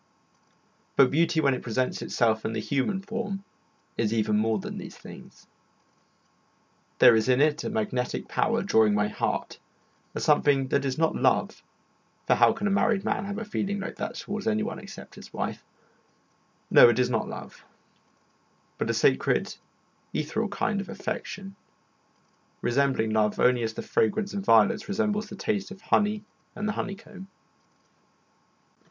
But beauty when it presents itself in the human form is even more than these things. There is in it a magnetic power drawing my heart; a something that is not love, for how can a married man have a feeling like that towards anyone except his wife? No, it is not love, but a sacred ethereal kind of affection, resembling love only as the fragrance of violets resembles the taste of honey and the honey comb.